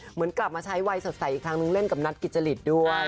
เหมือนกลับมาใช้วัยสดใสอีกครั้งนึงเล่นกับนัทกิจจริตด้วย